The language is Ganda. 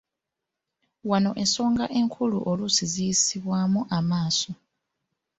Wano ensonga enkulu oluusi ziyisibwamu amaaso.